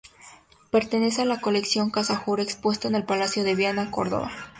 Pertenece a la Colección Cajasur, expuesto en el Palacio de Viana, Córdoba.